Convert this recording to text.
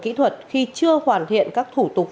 kỹ thuật khi chưa hoàn thiện các thủ tục